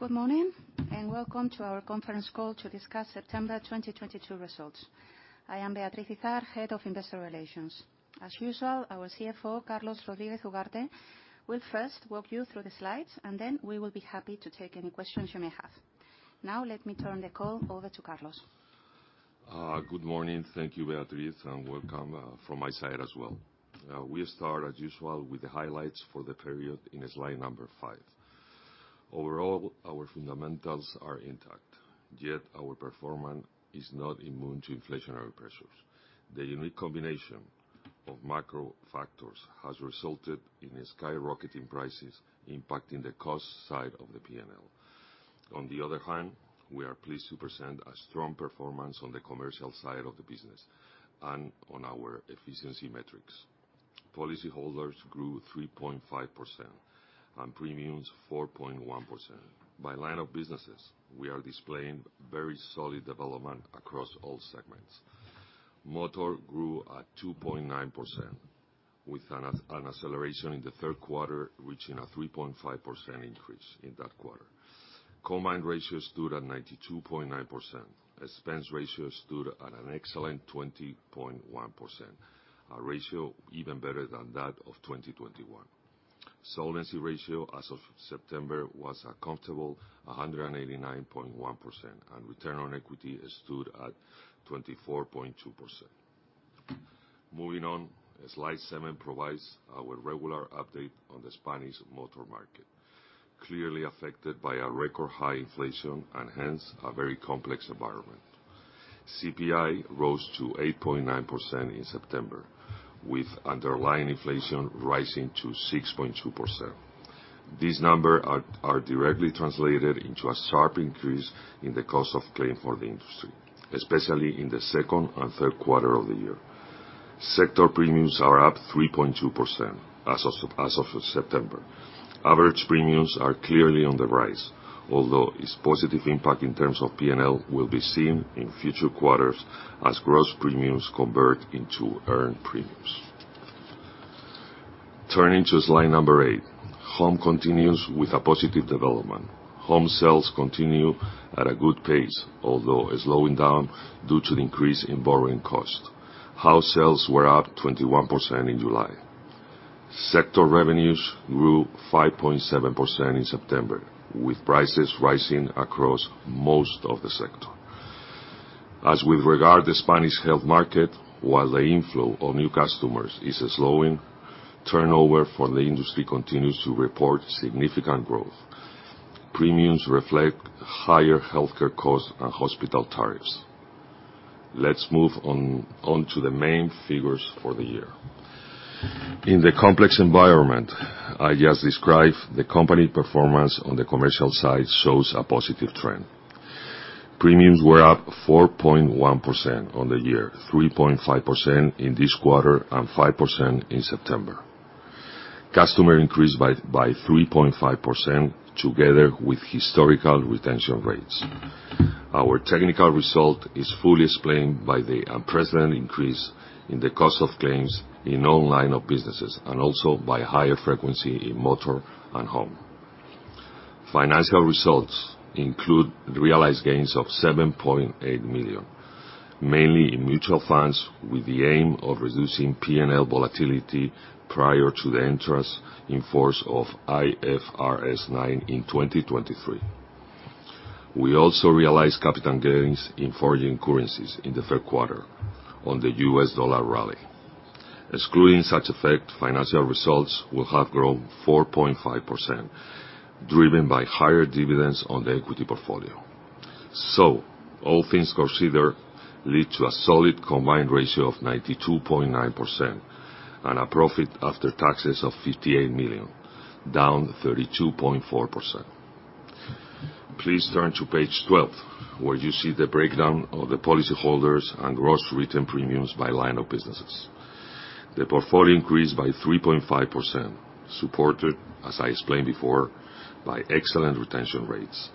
Good morning, and welcome to our conference call to discuss September 2022 results. I am Beatriz Izard, Head of Investor Relations. As usual, our CFO, Carlos Rodríguez Ugarte, will first walk you through the slides, and then we will be happy to take any questions you may have. Now, let me turn the call over to Carlos. Good morning. Thank you, Beatriz, and welcome from my side as well. We start as usual with the highlights for the period in slide number five. Overall, our fundamentals are intact, yet our performance is not immune to inflationary pressures. The unique combination of macro factors has resulted in skyrocketing prices impacting the cost side of the P&L. On the other hand, we are pleased to present a strong performance on the commercial side of the business and on our efficiency metrics. Policyholders grew 3.5% and premiums, 4.1%. By line of businesses, we are displaying very solid development across all segments. Motor grew at 2.9%, with an acceleration in the Q3, reaching a 3.5% increase in that quarter. Combined ratio stood at 92.9%. Expense ratio stood at an excellent 20.1%, a ratio even better than that of 2021. Solvency ratio as of September was a comfortable 189.1%, and return on equity stood at 24.2%. Moving on, slide seven provides our regular update on the Spanish motor market, clearly affected by a record high inflation and hence a very complex environment. CPI rose to 8.9% in September, with underlying inflation rising to 6.2%. These numbers are directly translated into a sharp increase in the cost of claim for the industry, especially in the second and Q3 of the year. Sector premiums are up 3.2% as of September. Average premiums are clearly on the rise, although its positive impact in terms of P&L will be seen in future quarters as gross premiums convert into earned premiums. Turning to slide number eight. Home continues with a positive development. Home sales continue at a good pace, although it's slowing down due to the increase in borrowing costs. House sales were up 21% in July. Sector revenues grew 5.7% in September, with prices rising across most of the sector. As with regard to Spanish health market, while the inflow of new customers is slowing, turnover for the industry continues to report significant growth. Premiums reflect higher healthcare costs and hospital tariffs. Let's move on, onto the main figures for the year. In the complex environment I just described, the company performance on the commercial side shows a positive trend. Premiums were up 4.1% on the year, 3.5% in this quarter, and 5% in September. Customer increased by 3.5% together with historical retention rates. Our technical result is fully explained by the unprecedented increase in the cost of claims in all lines of business, and also by higher frequency in motor and home. Financial results include realized gains of 7.8 million, mainly in mutual funds, with the aim of reducing P&L volatility prior to the entry into force of IFRS 9 in 2023. We also realized capital gains in foreign currencies in the Q3 on the US dollar rally. Excluding such effect, financial results will have grown 4.5%, driven by higher dividends on the equity portfolio. All things considered lead to a solid combined ratio of 92.9% and a profit after taxes of 58 million, down 32.4%. Please turn to page 12, where you see the breakdown of the policyholders and gross written premiums by lines of business. The portfolio increased by 3.5%, supported, as I explained before, by excellent retention rates.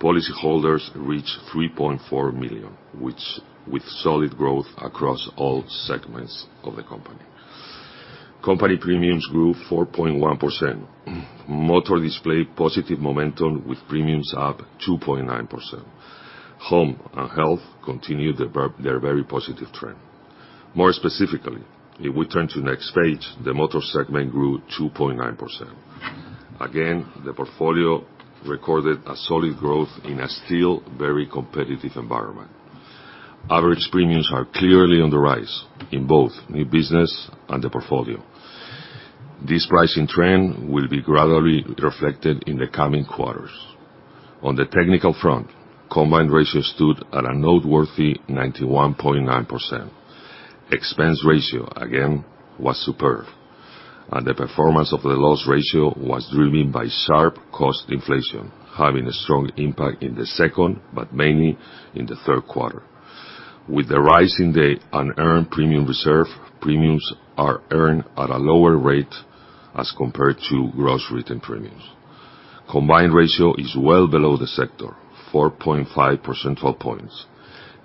Policyholders reached 3.4 million, which with solid growth across all segments of the company. Company premiums grew 4.1%. Motor displayed positive momentum with premiums up 2.9%. Home and health continued their very positive trend. More specifically, if we turn to next page, the motor segment grew 2.9%. Again, the portfolio recorded a solid growth in a still very competitive environment. Average premiums are clearly on the rise in both new business and the portfolio. This pricing trend will be gradually reflected in the coming quarters. On the technical front, combined ratio stood at a noteworthy 91.9%. Expense ratio, again, was superb, and the performance of the loss ratio was driven by sharp cost inflation, having a strong impact in the second but mainly in the Q3. With the rise in the unearned premium reserve, premiums are earned at a lower rate as compared to gross written premiums. Combined ratio is well below the sector, 4.5 percentage points.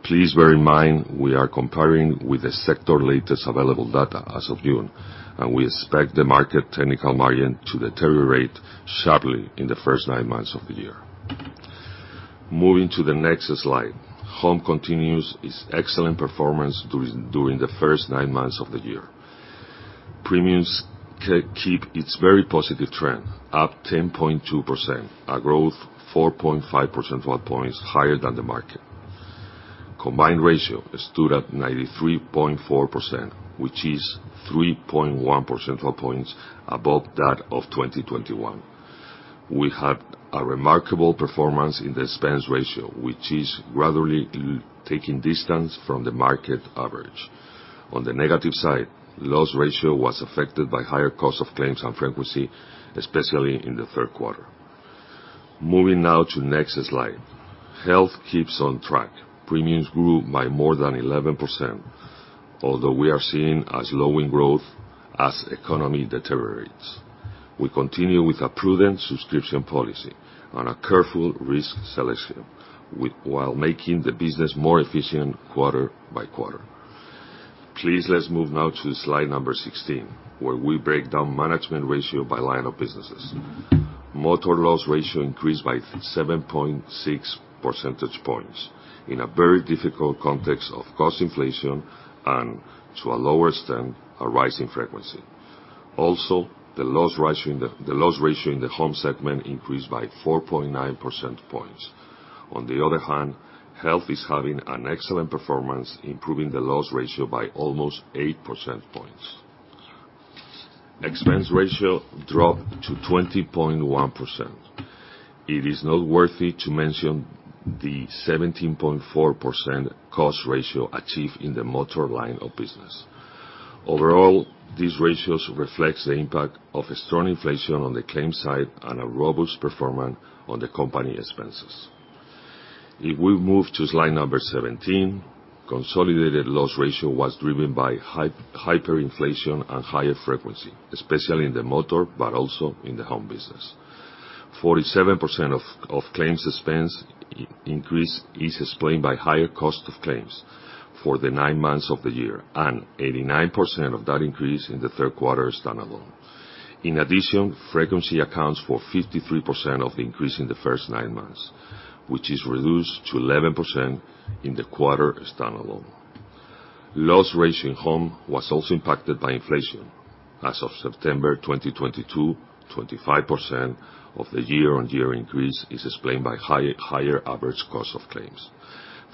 Please bear in mind we are comparing with the sector latest available data as of June, and we expect the market technical margin to deteriorate sharply in the first nine months of the year. Moving to the next slide. Home continues its excellent performance during the first nine months of the year. Premiums keep its very positive trend, up 10.2%, a growth 4.5 percentage points higher than the market. Combined ratio stood at 93.4%, which is 3.1 percentage points above that of 2021. We had a remarkable performance in the expense ratio, which is gradually taking distance from the market average. On the negative side, loss ratio was affected by higher cost of claims and frequency, especially in the Q3. Moving now to next slide. Health keeps on track. Premiums grew by more than 11%, although we are seeing a slowing growth as economy deteriorates. We continue with a prudent underwriting policy and a careful risk selection, while making the business more efficient quarter by quarter. Please, let's move now to slide number 16, where we break down combined ratio by line of businesses. Motor loss ratio increased by 7.6 percentage points in a very difficult context of cost inflation and, to a lower extent, a rise in frequency. Also, the loss ratio in the home segment increased by 4.9 percentage points. On the other hand, health is having an excellent performance, improving the loss ratio by almost 8 percentage points. Expense ratio dropped to 20.1%. It is worth mentioning the 17.4% cost ratio achieved in the motor line of business. Overall, these ratios reflects the impact of a strong inflation on the claim side and a robust performance on the company expenses. If we move to slide number 17, consolidated loss ratio was driven by higher inflation and higher frequency, especially in the motor, but also in the home business. 47% of claims expense increase is explained by higher cost of claims for the nine months of the year, and 89% of that increase in the Q3 standalone. In addition, frequency accounts for 53% of the increase in the first nine months, which is reduced to 11% in the quarter standalone. Loss ratio in home was also impacted by inflation. As of September 2022, 25% of the year-on-year increase is explained by higher average cost of claims.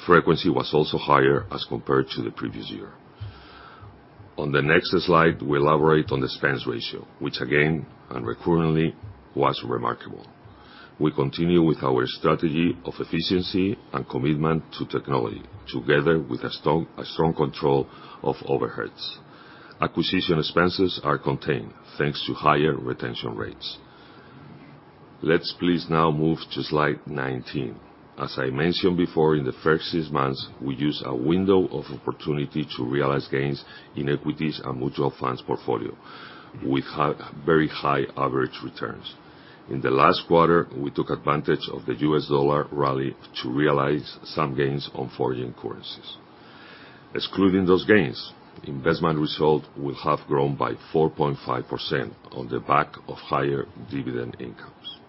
Frequency was also higher as compared to the previous year. On the next slide, we elaborate on expense ratio, which again, and recurrently, was remarkable. We continue with our strategy of efficiency and commitment to technology, together with a strong control of overheads. Acquisition expenses are contained, thanks to higher retention rates. Let's please now move to slide 19. As I mentioned before, in the first six months, we used a window of opportunity to realize gains in equities and mutual funds portfolio with very high average returns. In the last quarter, we took advantage of the U.S. dollar rally to realize some gains on foreign currencies. Excluding those gains, investment result will have grown by 4.5% on the back of higher dividend incomes.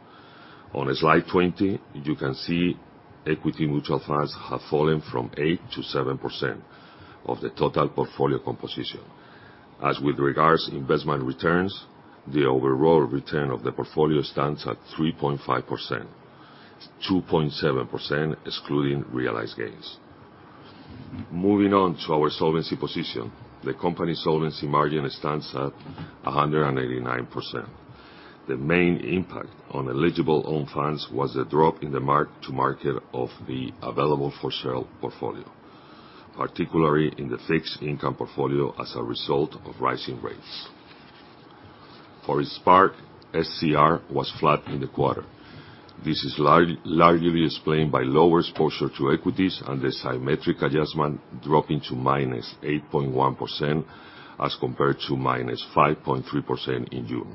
On slide 20, you can see equity mutual funds have fallen from 8% to 7% of the total portfolio composition. As with regards investment returns, the overall return of the portfolio stands at 3.5%, 2.7% excluding realized gains. Moving on to our solvency position. The company solvency margin stands at 189%. The main impact on eligible own funds was the drop in the mark to market of the available-for-sale portfolio, particularly in the fixed income portfolio as a result of rising rates. For its part, SCR was flat in the quarter. This is largely explained by lower exposure to equities and the symmetric adjustment dropping to -8.1% as compared to -5.3% in June.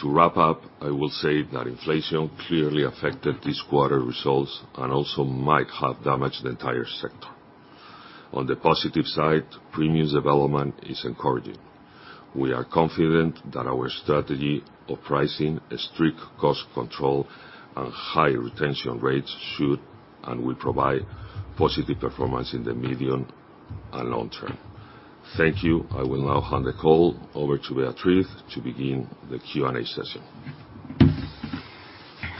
To wrap up, I will say that inflation clearly affected this quarter results and also might have damaged the entire sector. On the positive side, premiums development is encouraging. We are confident that our strategy of pricing, strict cost control, and high retention rates should and will provide positive performance in the medium and long term. Thank you. I will now hand the call over to Beatriz to begin the Q&A session.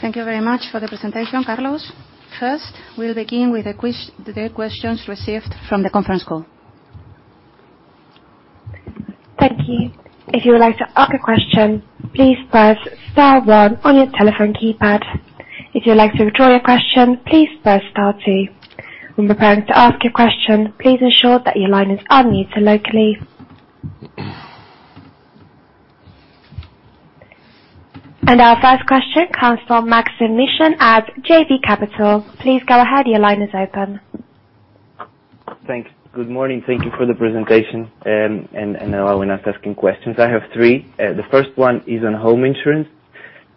Thank you very much for the presentation, Carlos. First, we'll begin with the questions received from the conference call. Thank you. If you would like to ask a question, please press star one on your telephone keypad. If you'd like to withdraw your question, please press star two. When preparing to ask your question, please ensure that your line is unmuted locally. Our first question comes from Maksym Mishyn at JB Capital. Please go ahead. Your line is open. Thanks. Good morning. Thank you for the presentation and allowing us asking questions. I have three. The first one is on home insurance.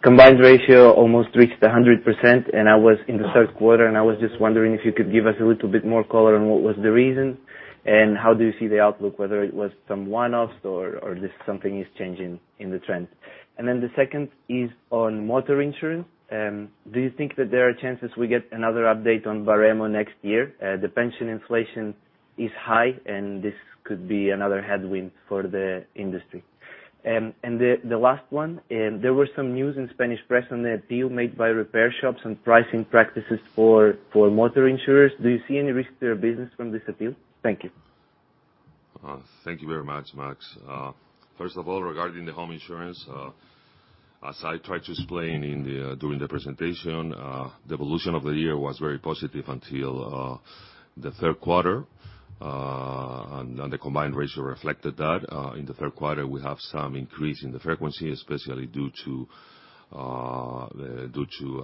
Combined ratio almost reached 100% in the Q3, and I was just wondering if you could give us a little bit more color on what was the reason, and how do you see the outlook, whether it was some one-offs or just something is changing in the trend. The second is on motor insurance. Do you think that there are chances we get another update on Baremo next year? The pension inflation is high, and this could be another headwind for the industry. The last one, there were some news in Spanish press on the appeal made by repair shops and pricing practices for motor insurers. Do you see any risk to your business from this appeal? Thank you. Thank you very much, Maks. First of all, regarding the home insurance, as I tried to explain during the presentation, the evolution of the year was very positive until the Q3. The combined ratio reflected that. In the Q3 we have some increase in the frequency, especially due to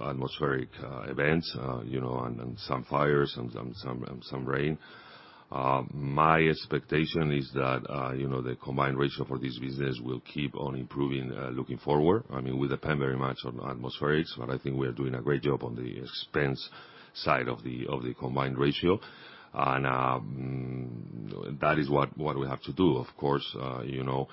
atmospheric events, you know, and some fires and some rain. My expectation is that, you know, the combined ratio for this business will keep on improving looking forward. I mean, we depend very much on atmospherics, but I think we are doing a great job on the expense side of the combined ratio. That is what we have to do. Of course, you know,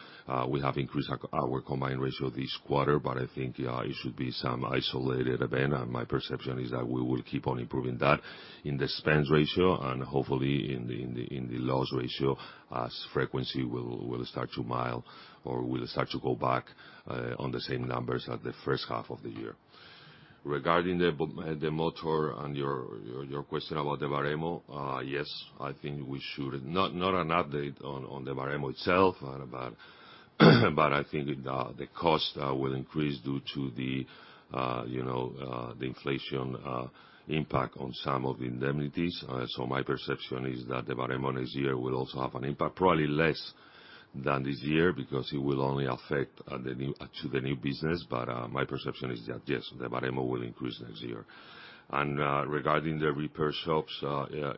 we have increased our combined ratio this quarter, but I think it should be some isolated event. My perception is that we will keep on improving that in the expense ratio and hopefully in the loss ratio as frequency will start to mild or will start to go back to the same numbers in the H1 of the year. Regarding the motor and your question about the Baremo, yes. I think we should not an update on the Baremo itself, but I think the cost will increase due to, you know, the inflation impact on some of the indemnities. My perception is that the Baremo next year will also have an impact, probably less than this year because it will only affect the new business. My perception is that, yes, the Baremo will increase next year. Regarding the repair shops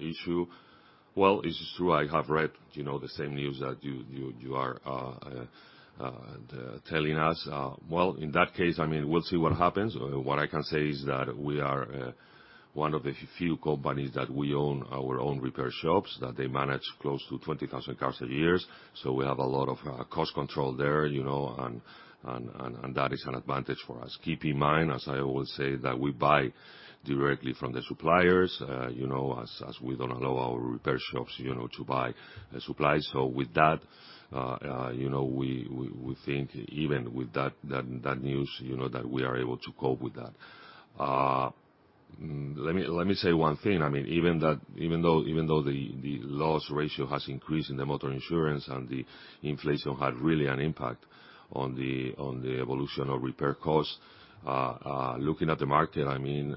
issue, well, it's true, I have read, you know, the same news that you are telling us. Well, in that case, I mean, we'll see what happens. What I can say is that we are one of the few companies that we own our own repair shops, that they manage close to 20,000 cars a year. We have a lot of cost control there, you know, and that is an advantage for us. Keep in mind, as I always say, that we buy directly from the suppliers, you know, as we don't allow our repair shops, you know, to buy supplies. So with that, you know, we think even with that news, you know, that we are able to cope with that. Let me say one thing. I mean, even that, even though the loss ratio has increased in the motor insurance and the inflation had really an impact on the evolution of repair costs, looking at the market, I mean,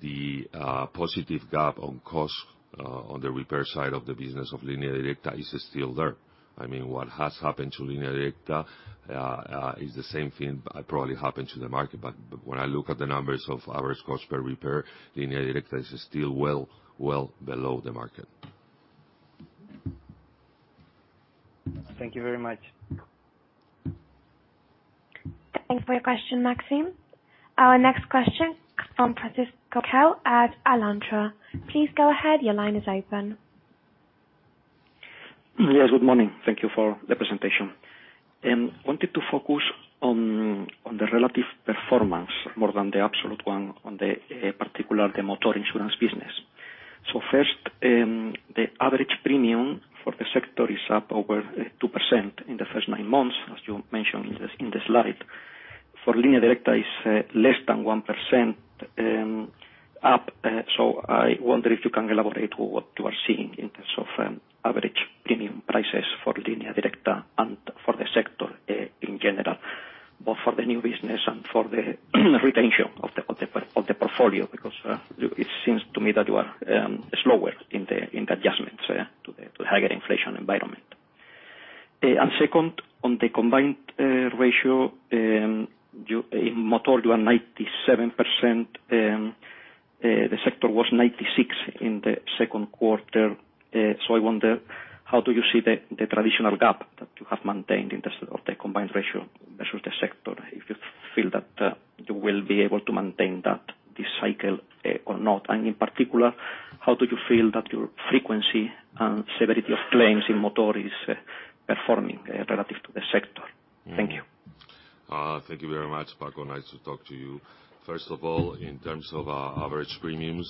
the positive gap on cost, on the repair side of the business of Línea Directa is still there. I mean, what has happened to Línea Directa is the same thing probably happened to the market. When I look at the numbers of average cost per repair, Línea Directa is still well, well below the market. Thank you very much. Thank you for your question, Maksym. Our next question from Francisco Riquel at Alantra. Please go ahead. Your line is open. Yes, good morning. Thank you for the presentation. Wanted to focus on the relative performance more than the absolute one on the particular motor insurance business. First, the average premium for the sector is up over 2% in the first nine months, as you mentioned in the slide. For Línea Directa is less than 1% up. I wonder if you can elaborate what you are seeing in terms of average premium prices for Línea Directa and for the sector in general, both for the new business and for the retention of the portfolio because it seems to me that you are slower in the adjustments to the higher inflation environment. Second, on the combined ratio, in motor you are 97%, the sector was 96% in the Q2. I wonder, how do you see the traditional gap that you have maintained in terms of the combined ratio versus the sector? If you feel that you will be able to maintain that this cycle, or not. In particular, how do you feel that your frequency and severity of claims in motor is performing relative to the sector? Thank you. Thank you very much, Paco. Nice to talk to you. First of all, in terms of average premiums,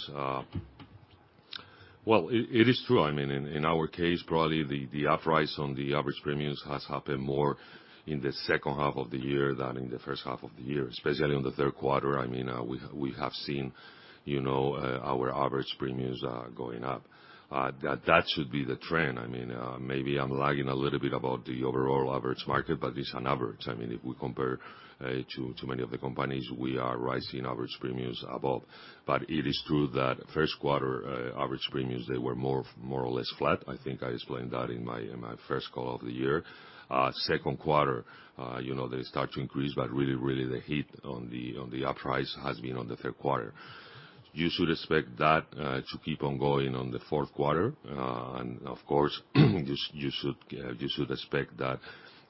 well, it is true. I mean, in our case, probably the rise in the average premiums has happened more in the H2 of the year than in the H1 of the year, especially in the Q3. I mean, we have seen, you know, our average premiums going up. That should be the trend. I mean, maybe I'm lagging a little bit behind the overall average market, but it's an average. I mean, if we compare to many of the companies, we are raising average premiums above. It is true that Q1 average premiums, they were more or less flat. I think I explained that in my first call of the year. Q2, you know, they start to increase, but really the hit on the uprise has been on the Q3. You should expect that to keep on going on the Q4. Of course, you should expect that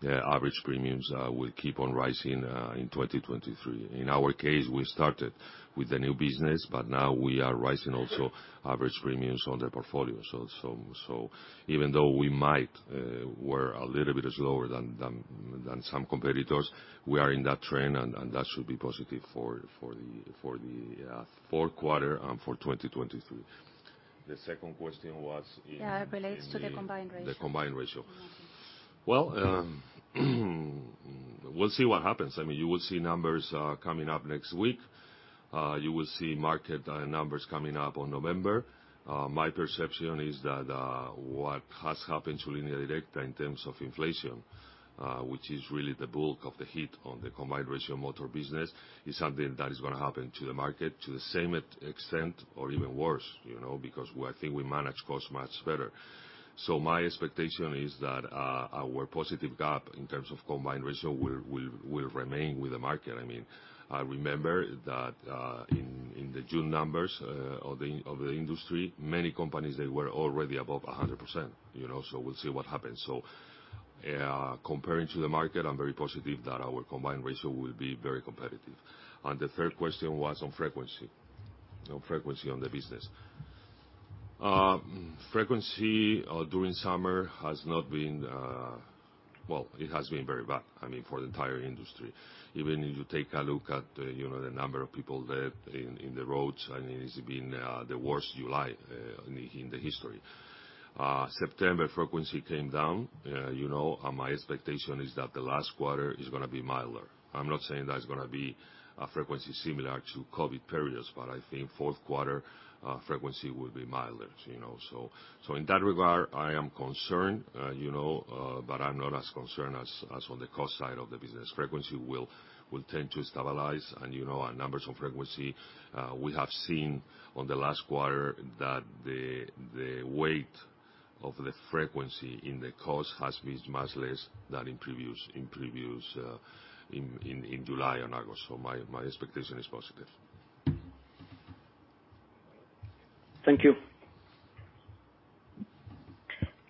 average premiums will keep on rising in 2023. In our case, we started with the new business, but now we are raising also average premiums on the portfolio. So even though we might, we're a little bit slower than some competitors, we are in that trend and that should be positive for the Q4 and for 2023. The second question was in- Yeah, relates to the combined ratio. The combined ratio. Well, we'll see what happens. I mean, you will see numbers coming up next week. You will see market numbers coming up on November. My perception is that what has happened to Línea Directa in terms of inflation, which is really the bulk of the hit on the combined ratio motor business, is something that is gonna happen to the market to the same extent or even worse, you know, because I think we manage costs much better. My expectation is that our positive gap in terms of combined ratio will remain with the market. I mean, I remember that in the June numbers of the industry, many companies they were already above 100%, you know. We'll see what happens. Comparing to the market, I'm very positive that our combined ratio will be very competitive. The third question was on frequency. On frequency on the business. Frequency during summer has not been. Well, it has been very bad, I mean, for the entire industry. Even if you take a look at, you know, the number of people dead in the roads, I mean, it's been the worst July in the history. September frequency came down. You know, my expectation is that the last quarter is gonna be milder. I'm not saying that it's gonna be a frequency similar to COVID periods, but I think Q4 frequency will be milder, you know. In that regard, I am concerned, you know, but I'm not as concerned as on the cost side of the business. Frequency will tend to stabilize and, you know, our numbers of frequency, we have seen on the last quarter that the weight of the frequency in the cost has been much less than in previous in July and August. My expectation is positive. Thank you.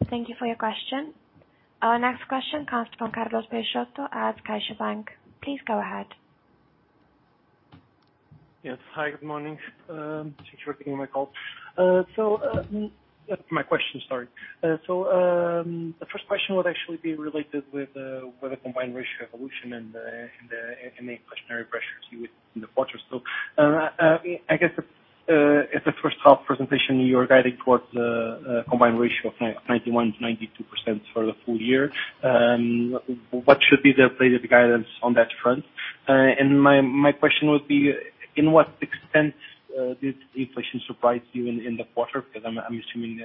Thank you for your question. Our next question comes from Carlos Peixoto at CaixaBank. Please go ahead. Yes. Hi, good morning. Thanks for taking my call. My question, sorry. The first question would actually be related with the combined ratio evolution and the inflationary pressures you had in the quarter. I guess, at the H1 presentation, you were guiding towards a combined ratio of 91%-92% for the full year. What should be the updated guidance on that front? And my question would be, to what extent did inflation surprise you in the quarter? Because I'm assuming,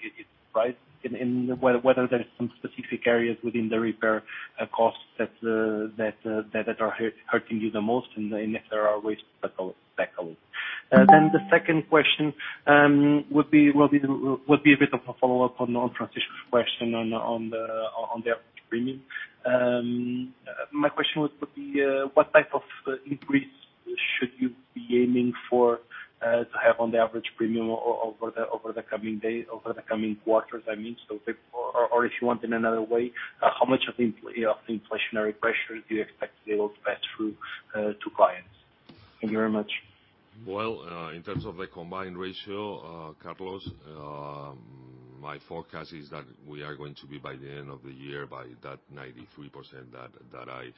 it rose. Whether there's some specific areas within the repair costs that are hurting you the most and if there are ways to tackle it. The second question would be a bit of a follow-up on the question on the average premium. My question would be what type of increase should you be aiming for to have on the average premium over the coming quarters, I mean? If you want in another way, how much of the inflationary pressure do you expect to be able to pass through to clients? Thank you very much. Well, in terms of the combined ratio, Carlos, my forecast is that we are going to be by the end of the year by that 93% that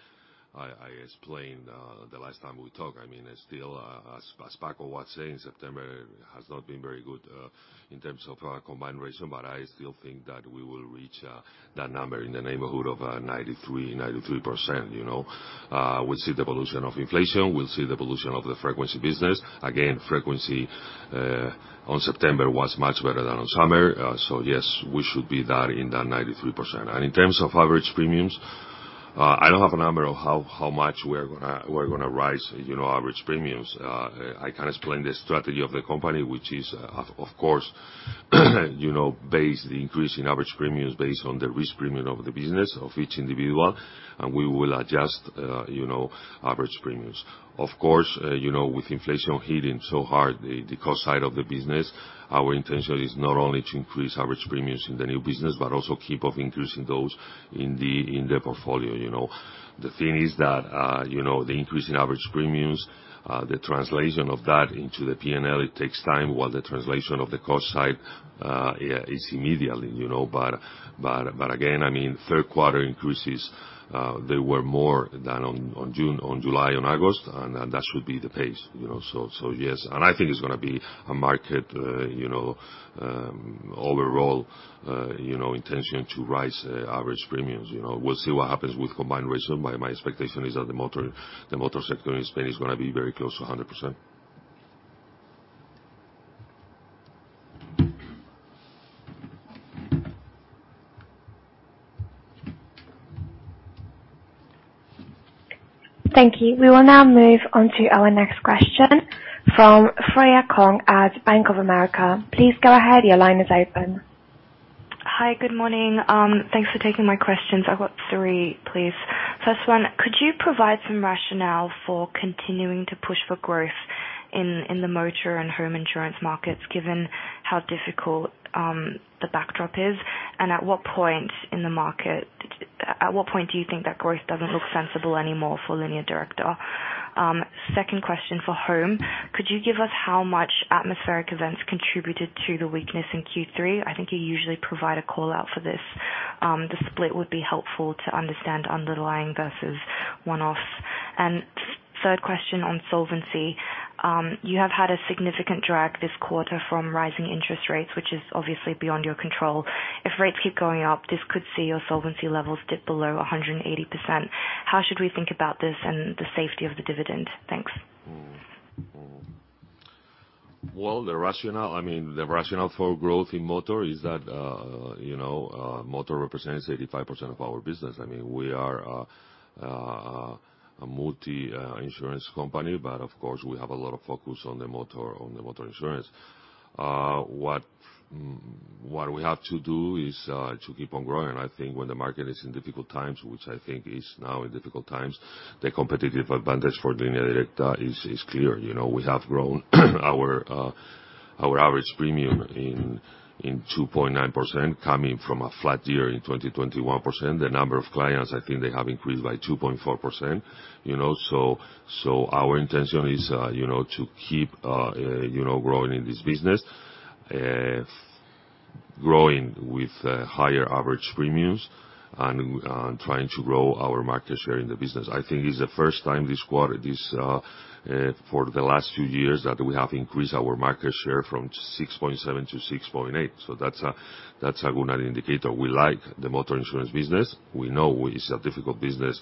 I explained the last time we talked. I mean, still, as Paco was saying, September has not been very good in terms of combined ratio, but I still think that we will reach that number in the neighborhood of 93%, you know. We'll see the evolution of inflation. We'll see the evolution of the frequency business. Again, frequency on September was much better than on summer. So yes, we should be there in that 93%. In terms of average premiums, I don't have a number of how much we're gonna rise, you know, average premiums. I can explain the strategy of the company, which is, of course, you know, base the increase in average premiums based on the risk premium of the business of each individual, and we will adjust, you know, average premiums. Of course, you know, with inflation hitting so hard the cost side of the business, our intention is not only to increase average premiums in the new business, but also keep on increasing those in the portfolio, you know. The thing is that, you know, the increase in average premiums, the translation of that into the P&L, it takes time, while the translation of the cost side is immediately, you know. Again, I mean, Q3 increases, they were more than on June, on July and August, and that should be the pace, you know. Yes. I think it's gonna be a market overall intention to rise average premiums, you know. We'll see what happens with combined ratio. My expectation is that the motor sector in Spain is gonna be very close to 100%. Thank you. We will now move on to our next question from Freya Kong at Bank of America. Please go ahead. Your line is open. Hi. Good morning. Thanks for taking my questions. I've got three, please. First one, could you provide some rationale for continuing to push for growth in the motor and home insurance markets, given how difficult the backdrop is, and at what point do you think that growth doesn't look sensible anymore for Línea Directa? Second question for home. Could you give us how much atmospheric events contributed to the weakness in Q3? I think you usually provide a call-out for this. The split would be helpful to understand underlying versus one-off. Third question on solvency. You have had a significant drag this quarter from rising interest rates, which is obviously beyond your control. If rates keep going up, this could see your solvency levels dip below 180%. How should we think about this and the safety of the dividend? Thanks. Well, the rationale, I mean, the rationale for growth in motor is that, you know, motor represents 85% of our business. I mean, we are a multi insurance company, but of course, we have a lot of focus on the motor, on the motor insurance. What we have to do is to keep on growing. I think when the market is in difficult times, which I think is now in difficult times, the competitive advantage for Línea Directa is clear. You know, we have grown our average premium in 2.9% coming from a flat year in 2021. The number of clients, I think they have increased by 2.4%, you know. Our intention is to keep growing in this business. Growing with higher average premiums and trying to grow our market share in the business. I think it's the first time this quarter for the last few years that we have increased our market share from 6.7%-6.8%. That's a good indicator. We like the motor insurance business. We know it's a difficult business,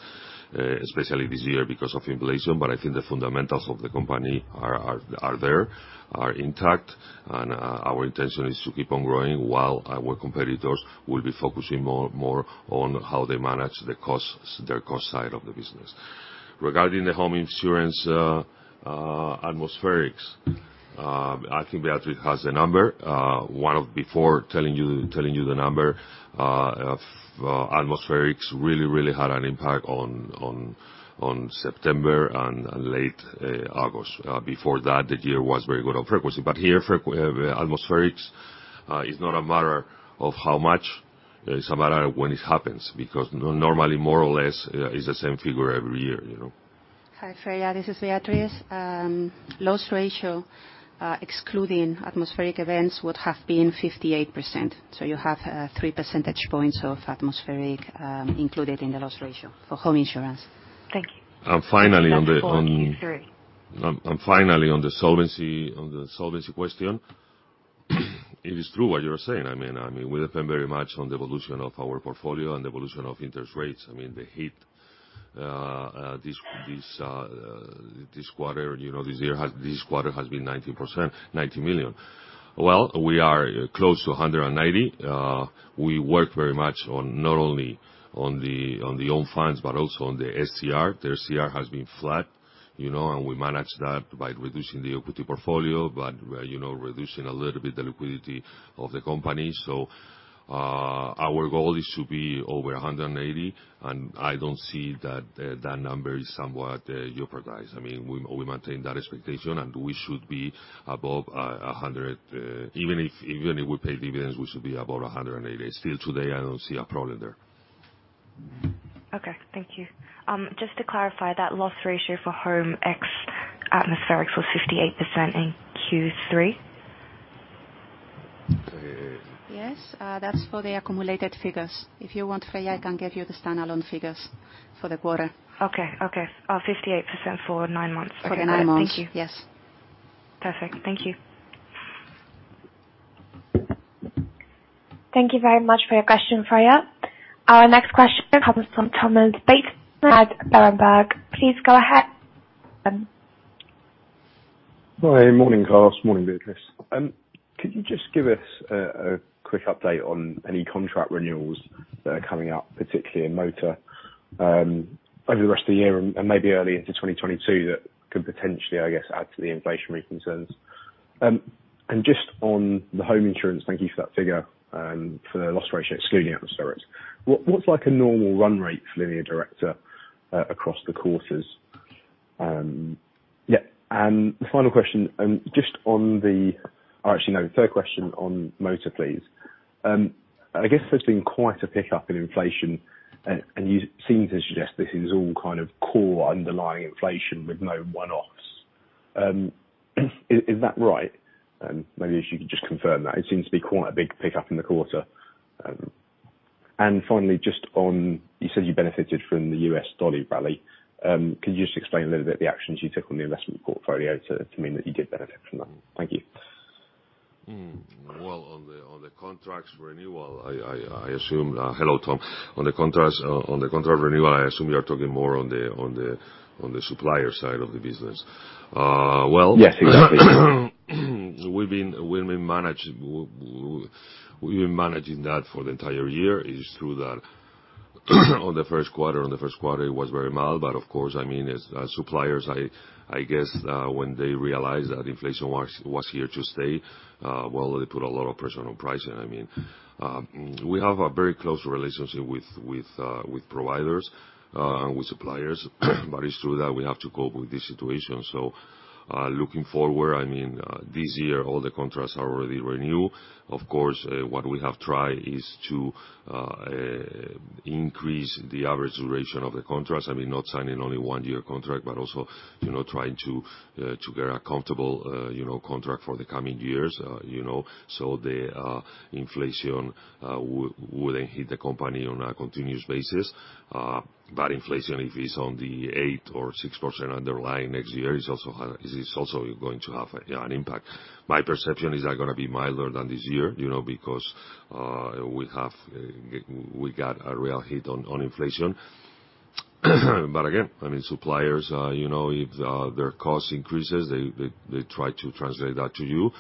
especially this year because of inflation, but I think the fundamentals of the company are intact, and our intention is to keep on growing while our competitors will be focusing more on how they manage the costs, their cost side of the business. Regarding the home insurance and the metrics, I think Beatriz has the number. One of... Before telling you the number of atmospherics really had an impact on September and late August. Before that, the year was very good on frequency. Here atmospherics is not a matter of how much, it's a matter of when it happens, because normally, more or less, it's the same figure every year, you know. Hi, Freya, this is Beatriz. Loss ratio, excluding atmospheric events would have been 58%. You have three percentage points of atmospheric included in the loss ratio for home insurance. Thank you. Finally, on the. Thank you for Q3. Finally, on the solvency question, it is true what you're saying. I mean, we depend very much on the evolution of our portfolio and the evolution of interest rates. I mean, the hit this quarter, you know, has been 19%, 90 million. Well, we are close to 180. We work very much on not only on the own funds but also on the SCR. The SCR has been flat, you know, and we manage that by reducing the equity portfolio, but, you know, reducing a little bit the liquidity of the company. Our goal is to be over 180, and I don't see that that number is somewhat jeopardized. I mean, we maintain that expectation, and we should be above 100%, even if we pay dividends, we should be above 180%. Still today, I don't see a problem there. Okay, thank you. Just to clarify, that loss ratio for home ex-atmospheric was 58% in Q3? Yes, that's for the accumulated figures. If you want, Freya, I can give you the standalone figures for the quarter. Okay. 58% for 9 months. For nine months. Okay. Thank you. Yes. Perfect. Thank you. Thank you very much for your question, Freya. Our next question comes from Thomas Bates at Berenberg. Please go ahead. Hi. Morning, Carlos. Morning, Beatriz. Could you just give us a quick update on any contract renewals that are coming up, particularly in motor, over the rest of the year and maybe early into 2022 that could potentially, I guess, add to the inflationary concerns? And just on the home insurance, thank you for that figure for the loss ratio excluding atmospherics. What's like a normal run rate for Línea Directa across the quarters? Yeah, and final question. Actually, no, third question on motor, please. I guess there's been quite a pickup in inflation and you seem to suggest this is all kind of core underlying inflation with no one-offs. Is that right? Maybe if you could just confirm that. It seems to be quite a big pickup in the quarter. Finally, just on, you said you benefited from the US dollar rally. Could you just explain a little bit the actions you took on the investment portfolio to mean that you did benefit from that? Thank you. Well, on the contract renewal, I assume. Hello, Tom. On the contract renewal, I assume you are talking more on the supplier side of the business. Well, Yes, exactly. We've been managing that for the entire year. It's true that on the Q1 it was very mild, but of course, I mean, as suppliers, I guess, when they realized that inflation was here to stay, well, they put a lot of pressure on pricing. I mean, we have a very close relationship with providers and with suppliers. But it's true that we have to cope with this situation. Looking forward, this year all the contracts are already renewed. Of course, what we have tried is to increase the average duration of the contracts. I mean, not signing only one-year contract, but also, you know, trying to get a comfortable, you know, contract for the coming years, you know. Inflation will then hit the company on a continuous basis. Inflation, if it's on the 8% or 6% underlying next year, it is also going to have an impact. My perception is that gonna be milder than this year, you know, because we got a real hit on inflation. Again, I mean, suppliers, you know, if their cost increases, they try to translate that to you.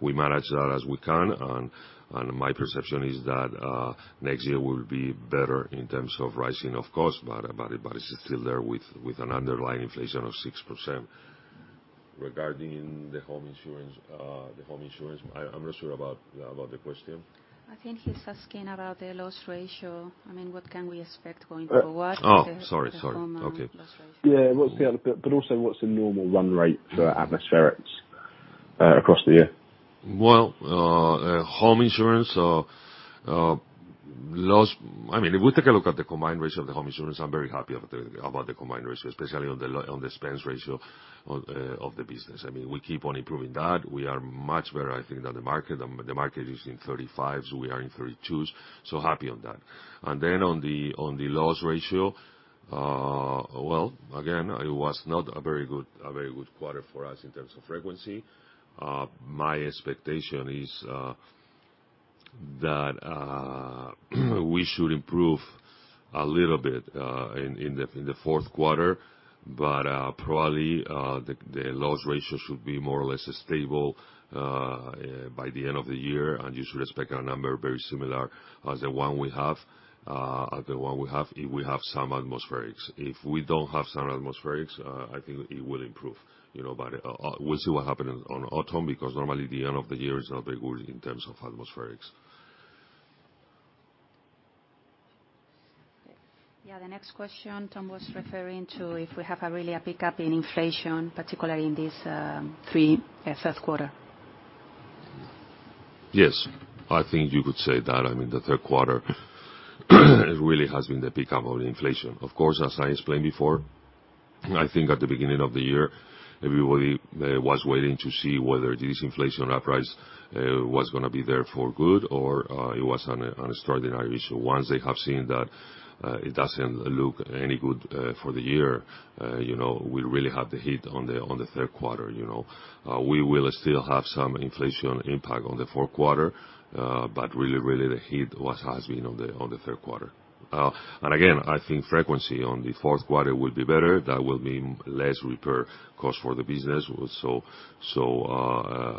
We manage that as we can and my perception is that next year will be better in terms of rising of cost, but it's still there with an underlying inflation of 6%. Regarding the home insurance, I'm not sure about the question. I think he's asking about the loss ratio. I mean, what can we expect going forward? Oh, sorry. With the home, loss ratio. Okay. Also, what's the normal run rate for atmospherics across the year? I mean, if we take a look at the combined ratio of the Home insurance, I'm very happy about the combined ratio, especially on the expense ratio of the business. I mean, we keep on improving that. We are much better, I think, than the market. The market is in 35%, we are in 32%. Happy on that. Then on the loss ratio, again, it was not a very good quarter for us in terms of frequency. My expectation is that we should improve a little bit in the Q4, but probably the loss ratio should be more or less stable by the end of the year. You should expect a number very similar as the one we have, if we have some atmospherics. If we don't have some atmospherics, I think it will improve, you know. We'll see what happen in autumn, because normally the end of the year is not very good in terms of atmospherics. Yeah. The next question, Tom was referring to if we have a really a pickup in inflation, particularly in this Q3. Yes. I think you could say that. I mean, the Q3 really has been the pickup of inflation. Of course, as I explained before, I think at the beginning of the year, everybody was waiting to see whether this inflation uprise was gonna be there for good or it was an extraordinary issue. Once they have seen that it doesn't look any good for the year, you know, we really have the hit on the Q3, you know. We will still have some inflation impact on the Q4, but really the hit was, has been on the Q3. And again, I think frequency on the Q4 will be better. That will mean less repair cost for the business. So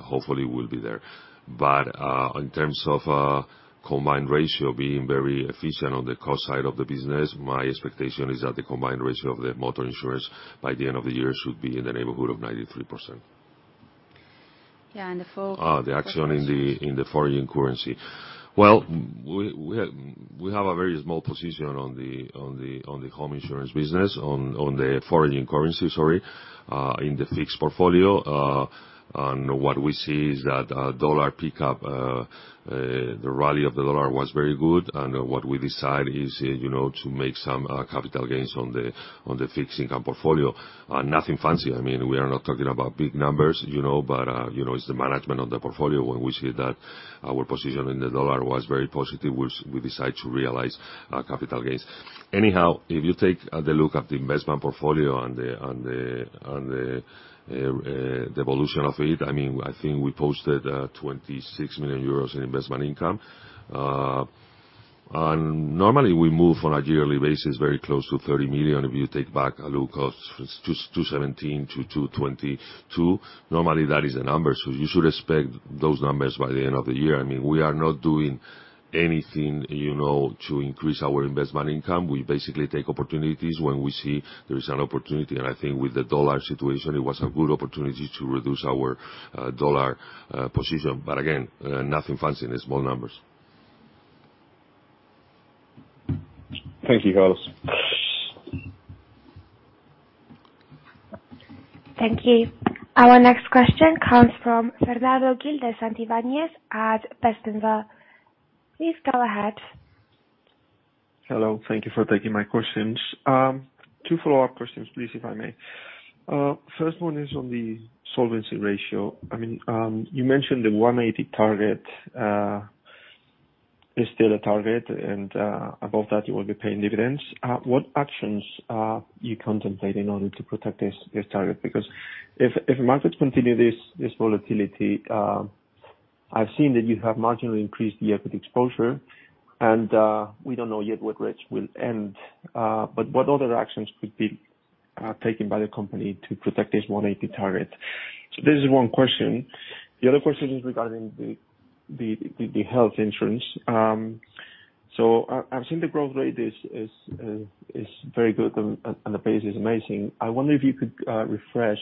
hopefully will be there. In terms of combined ratio being very efficient on the cost side of the business, my expectation is that the combined ratio of the motor insurance by the end of the year should be in the neighborhood of 93%. Yeah. The fourth question. The action in the foreign currency. Well, we have a very small position in the foreign currency, sorry, in the fixed portfolio. What we see is that dollar pickup, the rally of the dollar was very good and what we decide is, you know, to make some capital gains on the fixed income portfolio. Nothing fancy. I mean, we are not talking about big numbers, you know, but you know, it's the management of the portfolio. When we see that our position in the dollar was very positive, we decide to realize capital gains. Anyhow, if you take a look at the investment portfolio and the evolution of it, I mean, I think we posted 26 million euros in investment income. Normally we move on a yearly basis very close to 30 million, if you take a look back at 2017 to 2022. Normally that is the number. You should expect those numbers by the end of the year. I mean, we are not doing anything, you know, to increase our investment income. We basically take opportunities when we see there is an opportunity. I think with the dollar situation, it was a good opportunity to reduce our dollar position. But again, nothing fancy in the small numbers. Thank you, Carlos. Thank you. Our next question comes from Fernando Gil de Santivañes at Bestinver. Please go ahead. Hello. Thank you for taking my questions. Two follow-up questions please, if I may. First one is on the solvency ratio. I mean, you mentioned the 180 target is still a target and above that you will be paying dividends. What actions are you contemplating in order to protect this target? Because if markets continue this volatility, I've seen that you have marginally increased the equity exposure and we don't know yet what rates will end, but what other actions could be taken by the company to protect this 180 target. So this is one question. The other question is regarding the health insurance. So I've seen the growth rate is very good and the pace is amazing. I wonder if you could refresh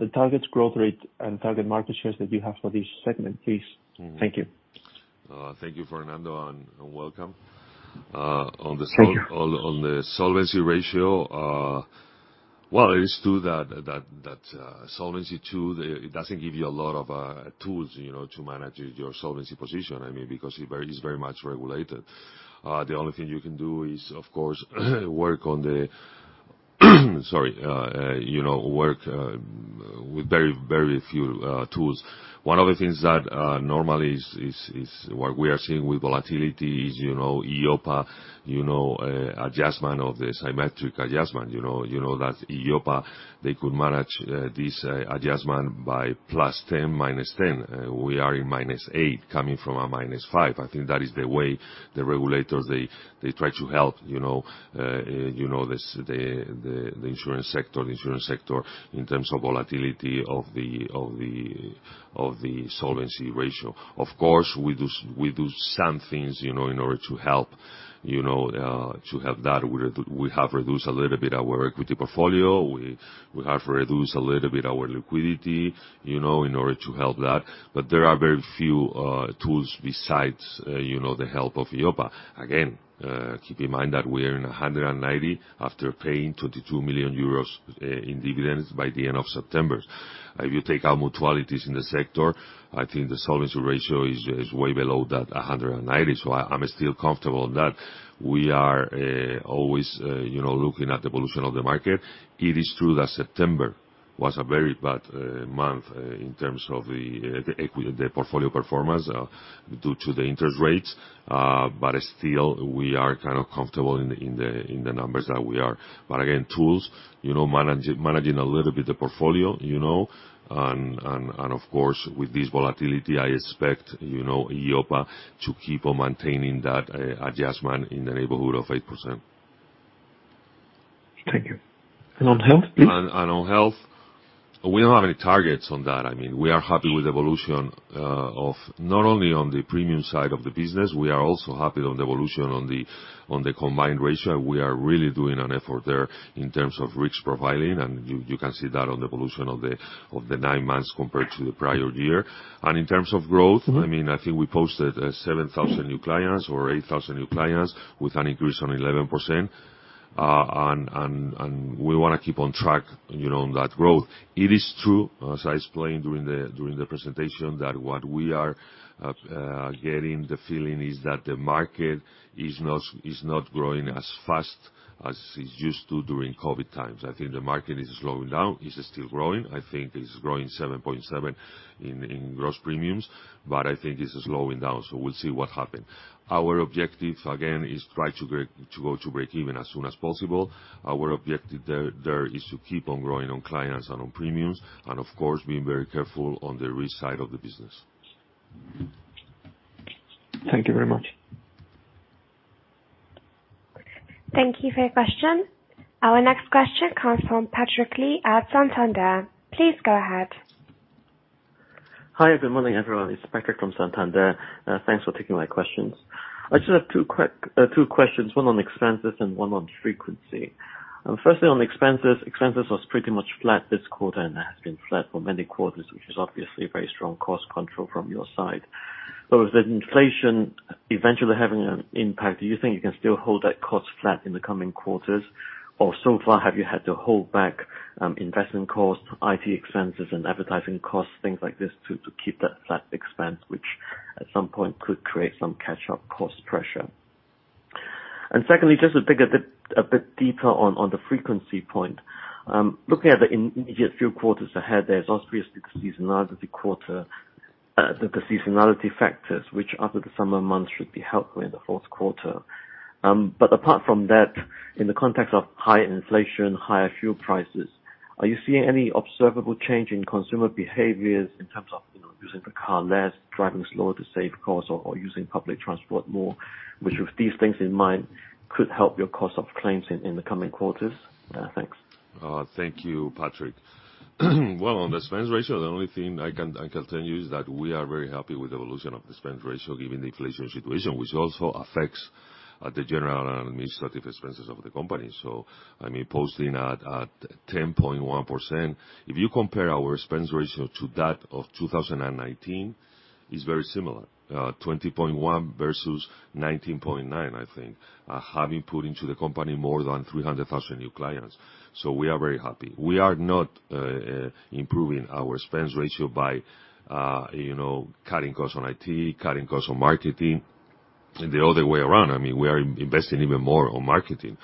the target growth rate and target market shares that you have for this segment, please. Thank you. Thank you Fernando and welcome. Thank you. On the solvency ratio, well, it is true that Solvency II doesn't give you a lot of tools, you know, to manage your solvency position. I mean, because it is very much regulated. The only thing you can do is of course work with very few tools. One of the things that normally is what we are seeing with volatility is, you know, EIOPA adjustment of the symmetric adjustment, you know. You know that EIOPA, they could manage this adjustment by +10, -10. We are in -8 coming from a -5. I think that is the way the regulators try to help, you know, you know, the insurance sector in terms of volatility of the solvency ratio. Of course, we do some things, you know, in order to help, you know, to help that. We have reduced a little bit our equity portfolio. We have reduced a little bit our liquidity, you know, in order to help that. But there are very few tools besides, you know, the help of EIOPA. Again, keep in mind that we are in 190 after paying 22 million euros in dividends by the end of September. If you take our multiples in the sector, I think the solvency ratio is way below that 190. I'm still comfortable on that. We are always, you know, looking at the evolution of the market. It is true that September was a very bad month in terms of the equity portfolio performance due to the interest rates. But still we are kind of comfortable in the numbers that we are. Again, too, you know, managing a little bit the portfolio, you know, and of course, with this volatility, I expect, you know, EIOPA to keep on maintaining that adjustment in the neighborhood of 8%. Thank you. On health, please? On health, we don't have any targets on that. I mean, we are happy with evolution of not only on the premium side of the business, we are also happy on the evolution on the combined ratio. We are really doing an effort there in terms of risk profiling. You can see that on the evolution of the nine months compared to the prior year. In terms of growth. Mm-hmm. I mean, I think we posted 7,000 new clients or 8,000 new clients with an increase on 11%. And we wanna keep on track, you know, on that growth. It is true, as I explained during the presentation, that what we are getting the feeling is that the market is not growing as fast as it's used to during COVID times. I think the market is slowing down. It's still growing. I think it's growing 7.7% in gross premiums, but I think it's slowing down. We'll see what happens. Our objective again is to try to break even as soon as possible. Our objective there is to keep on growing on clients and on premiums, and of course, being very careful on the risk side of the business. Thank you very much. Thank you for your question. Our next question comes from Patrick Lee at Santander. Please go ahead. Hi, good morning everyone. It's Patrick Lee from Santander. Thanks for taking my questions. I just have two quick two questions, one on expenses and one on frequency. Firstly, on expenses. Expenses was pretty much flat this quarter and has been flat for many quarters, which is obviously a very strong cost control from your side. With the inflation eventually having an impact, do you think you can still hold that cost flat in the coming quarters? Or so far, have you had to hold back investment costs, IT expenses and advertising costs, things like this to keep that flat expense, which at some point could create some catch up cost pressure. Secondly, just to dig a bit deeper on the frequency point. Looking at the immediate few quarters ahead, there's obviously a seasonality quarter. The seasonality factors, which after the summer months should be helpful in the Q4. Apart from that, in the context of high inflation, higher fuel prices, are you seeing any observable change in consumer behaviors in terms of, you know, using the car less, driving slower to save costs or using public transport more? Which with these things in mind could help your cost of claims in the coming quarters. Thanks. Thank you, Patrick. Well, on the expense ratio, the only thing I can tell you is that we are very happy with the evolution of the expense ratio, given the inflation situation, which also affects the general and administrative expenses of the company. I mean, posting at 10.1%. If you compare our expense ratio to that of 2019, it's very similar. 20.1 versus 19.9, I think. Having put into the company more than 300,000 new clients. We are very happy. We are not improving our expense ratio by you know, cutting costs on IT, cutting costs on marketing. The other way around, I mean, we are investing even more on marketing.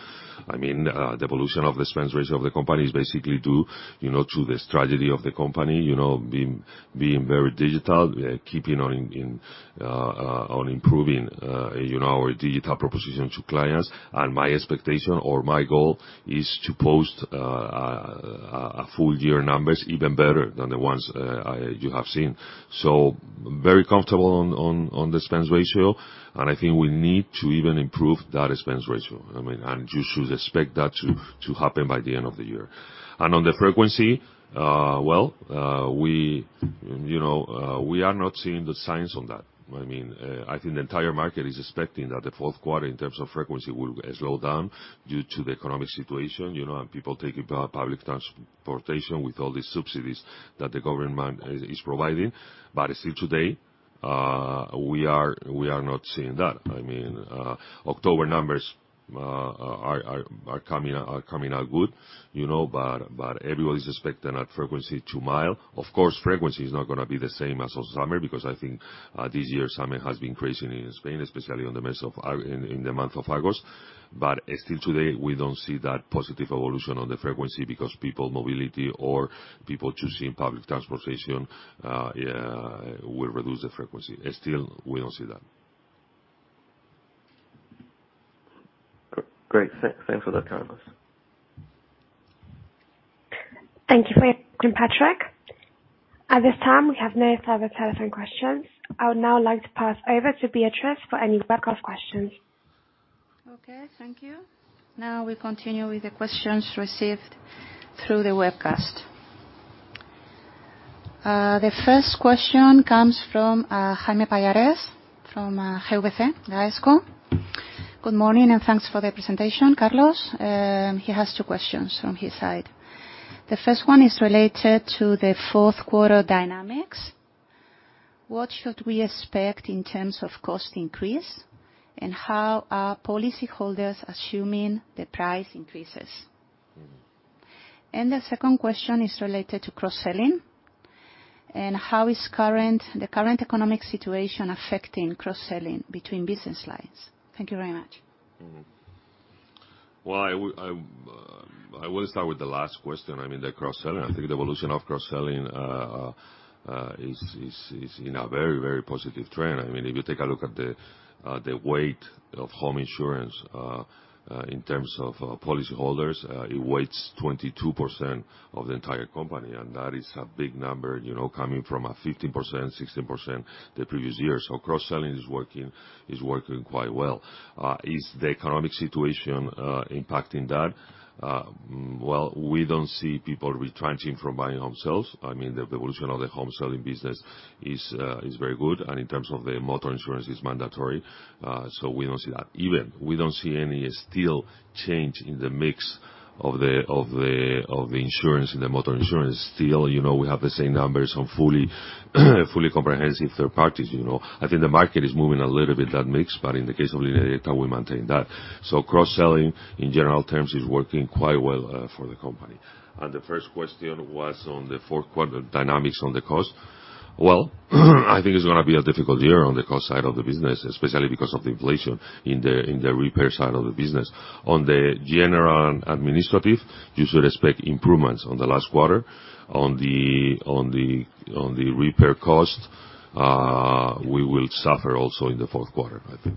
I mean, the evolution of the expense ratio of the company is basically due, you know, to the strategy of the company. You know, being very digital, keeping on improving, you know, our digital proposition to clients. My expectation or my goal is to post a full-year numbers even better than the ones you have seen. Very comfortable on the expense ratio. I think we need to even improve that expense ratio. I mean, you should expect that to happen by the end of the year. On the frequency, well, we, you know, we are not seeing the signs on that. I mean, I think the entire market is expecting that the Q4 in terms of frequency will slow down due to the economic situation, you know, and people taking public transportation with all the subsidies that the government is providing. Still today, we are not seeing that. I mean, October numbers are coming out good, you know, but everybody's expecting that frequency to decline. Of course, frequency is not gonna be the same as all summer because I think this year summer has been crazy in Spain, especially in the month of August. Still today, we don't see that positive evolution on the frequency because people mobility or people choosing public transportation will reduce the frequency. Still, we don't see that. Great. Thanks for that, Carlos. Thank you for your question, Patrick. At this time, we have no further telephone questions. I would now like to pass over to Beatriz for any webcast questions. Okay, thank you. Now we continue with the questions received through the webcast. The first question comes from Jaime Pallarés from GVC Gaesco. Good morning, and thanks for the presentation, Carlos. He has two questions from his side. The first one is related to the Q4 dynamics. What should we expect in terms of cost increase? And how are policyholders assuming the price increases? Mm-hmm. The second question is related to cross-selling. How is the current economic situation affecting cross-selling between business lines? Thank you very much. Well, I will start with the last question. I mean, the cross-selling. I think the evolution of cross-selling is in a very positive trend. I mean, if you take a look at the weight of home insurance in terms of policyholders, it weighs 22% of the entire company, and that is a big number, you know, coming from a 15%, 16% the previous year. So cross-selling is working quite well. Is the economic situation impacting that? Well, we don't see people retrenching from buying home insurance. I mean, the evolution of the home insurance business is very good. In terms of the motor insurance, it's mandatory, so we don't see that. Even we don't see any still change in the mix of the insurance, in the motor insurance. Still, you know, we have the same numbers on fully comprehensive third parties, you know. I think the market is moving a little bit that mix, but in the case of Línea Directa, we maintain that. Cross-selling in general terms is working quite well for the company. The first question was on the Q4 dynamics on the cost. Well, I think it's gonna be a difficult year on the cost side of the business, especially because of the inflation in the repair side of the business. On the general administrative, you should expect improvements on the last quarter. On the repair cost, we will suffer also in the Q4, I think.